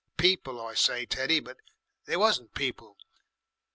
People, I say, Teddy, but they wasn't people.